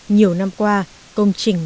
nhiều năm qua công trình